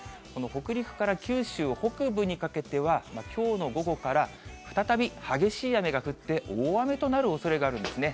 北陸から九州北部にかけては、きょうの午後から再び激しい雨が降って、大雨となるおそれがあるんですね。